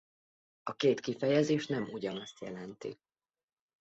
A két kifejezés nem ugyanazt jelenti.